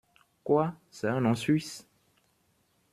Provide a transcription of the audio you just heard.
Quoi, c’est un nom suisse !